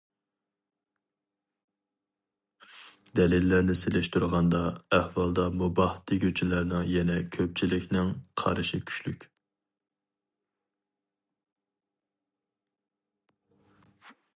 دەلىللەرنى سېلىشتۇرغان ئەھۋالدا مۇباھ دېگۈچىلەرنىڭ يەنى كۆپچىلىكنىڭ قارىشى كۈچلۈك.